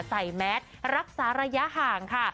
แมสรักษาระยะห่างค่ะ